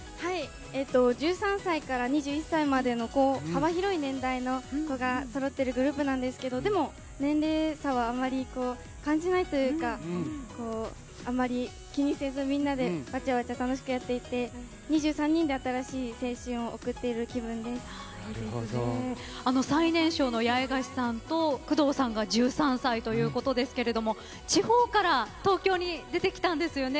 １３歳から２１歳までの幅広い年代の子が揃っているグループなんですけどでも年齢差はあまり感じないというかあまり気にせずみんなでわちゃわちゃ楽しくやっていて２３人で新しい青春を最年少の八重樫さんと工藤さんが１３歳ということですけれども地方から東京に出てきたんですよね。